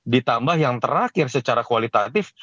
ditambah yang terakhir secara kualitatif